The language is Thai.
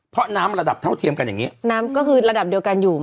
เพราะน้ำระดับเท่าเทียมกันอย่างงี้น้ำก็คือระดับเดียวกันอยู่